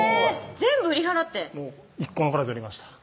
全部売り払ってもう１個残らず売りました